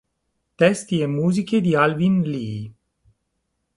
Testi e musiche di Alvin Lee